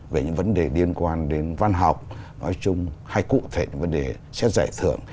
về những vấn đề liên quan đến văn học nói chung hay cụ thể vấn đề xét giải thưởng